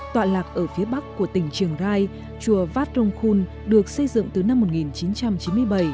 tọa lạc ở phía bắc của tỉnh trường rai chùa vát rồng khun được xây dựng từ năm một nghìn chín trăm chín mươi bảy